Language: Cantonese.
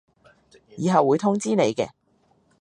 以後會通知你嘅